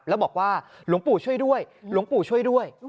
แล้วบอกว่าหลวงปู่ช่วยด้วยหลวงปู่ช่วยด้วย